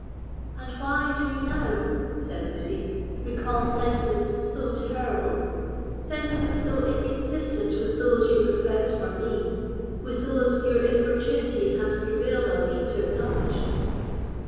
"And why do you now," said Lucy, "recall sentiments so terrible—sentiments so inconsistent with those you profess for me—with those your importunity has prevailed on me to acknowledge?"